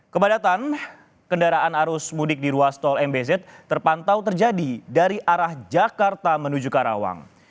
kepadatan kendaraan arus mudik di ruas tol mbz terpantau terjadi dari arah jakarta menuju karawang